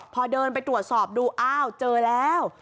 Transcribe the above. พอเดินไปตรวจสอบดูอ้าวเจอแล้ว